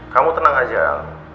kamu tenang aja al